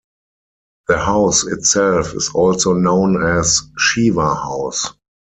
The house itself is also known as "Shiwa House".